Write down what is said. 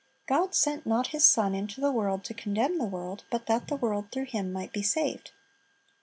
"God sent not His Son into the world to condemn the world; but that the world through Him might be saved."